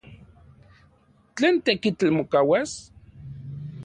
¿Tlen tekitl mokauas?